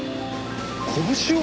拳を？